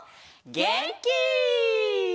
げんき！